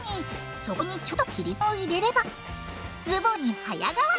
そこにちょっと切り込みを入れればズボンに早変わり！